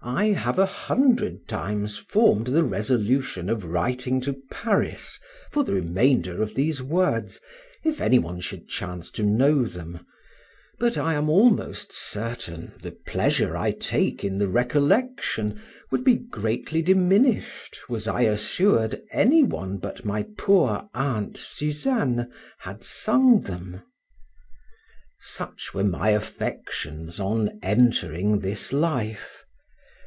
I have a hundred times formed the resolution of writing to Paris for the remainder of these words, if any one should chance to know them: but I am almost certain the pleasure I take in the recollection would be greatly diminished was I assured any one but my poor aunt Susan had sung them. Such were my affections on entering this life.